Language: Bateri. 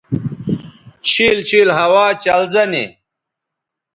شِیل شِیل ہوا چلزہ نی